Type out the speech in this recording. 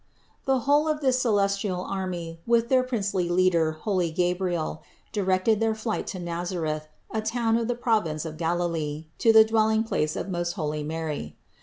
114. The whole of this celestial army with their princely leader holy Gabriel directed their flight to Naz areth, a town of the province of Galilee, to the dwelling place of most holy Mary.